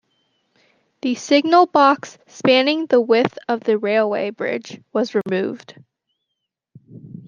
The signal box spanning the width of the railway bridge was removed.